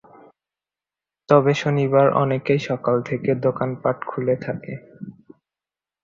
তবে শনিবার অনেকেই সকাল থেকেই দোকানপাট খুলে থাকে।